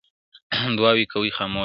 دعا کوي خاموشه،